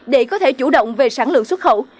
để có thể chủ động về sản lượng xuất khẩu